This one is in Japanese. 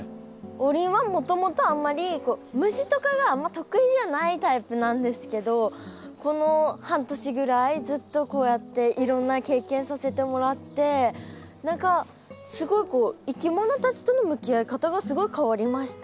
王林はもともとあんまり虫とかが得意じゃないタイプなんですけどこの半年ぐらいずっとこうやっていろんな経験させてもらって何かすごいこういきものたちとの向き合い方がすごい変わりました。